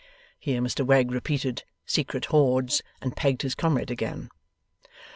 (Here Mr Wegg repeated 'secret hoards', and pegged his comrade again.)